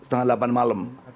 pada jam delapan malam